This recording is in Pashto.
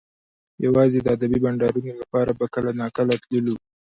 یوازې د ادبي بنډارونو لپاره به کله ناکله تللو